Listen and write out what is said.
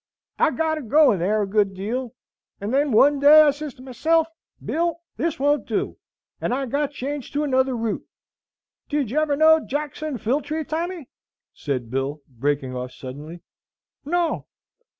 "I got a going there a good deal, and then one day I sez to myself, 'Bill, this won't do,' and I got changed to another route. Did you ever know Jackson Filltree, Tommy?" said Bill, breaking off suddenly. "No."